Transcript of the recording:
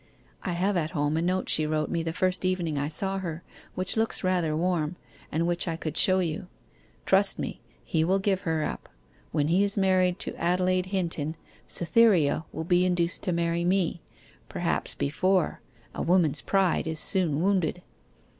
I have at home a note she wrote me the first evening I saw her, which looks rather warm, and which I could show you. Trust me, he will give her up. When he is married to Adelaide Hinton, Cytherea will be induced to marry me perhaps before; a woman's pride is soon wounded.